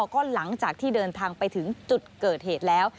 ก็หลังจากที่เดินทางไปถึงจุดเกิดเหตุแล้ว